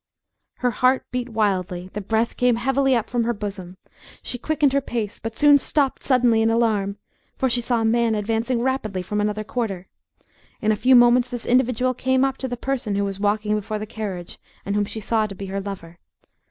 Her heart beat wildly, the breath came heavily up from her bosom. She quickened her pace, but soon stopped suddenly in alarm, for she saw a man advancing rapidly from another quarter. It a few moments this individual came up to the person who was walking before the carriage, and whom she saw to be her lover.